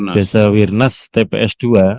desa wirnas tps dua